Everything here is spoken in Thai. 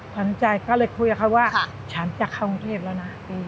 สันใจก็เลยคุยแหละว่าฉันจะเข้าในกรังเทพฯแล้วนะ